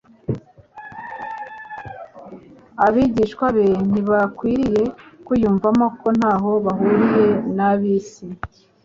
Abigishwa be ntibakwiriye kwiyumvamo ko ntaho bahuriye n'ab'is